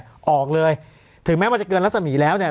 ส่วนทุนทั้งหมดเนี่ยออกเลยถึงแม้มันจะเกินลักษณีย์แล้วเนี่ย